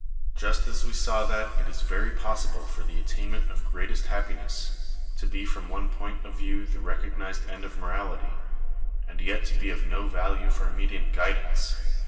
Just as we saw that it is very possible for the attainment of greatest happiness to be from one point of view the recognised end of morality, and yet to be of no value for immediate guidance (Chap.